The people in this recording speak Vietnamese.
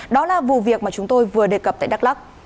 đó là vụ việc mà chúng tôi vừa đề cập tại đắk lắc